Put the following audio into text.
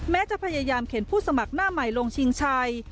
จะพยายามเข็นผู้สมัครหน้าใหม่ลงชิงชัย